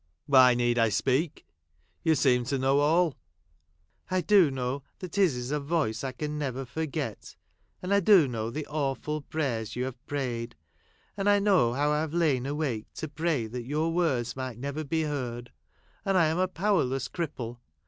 " Why need I speak ? You seem to know all." " I do know that his is a voice I can never forget ; and I do know the awful prayers you have prayed ; and I know how I have lain awake, to pray that your words might never be heard ; and I am a powerless cripple.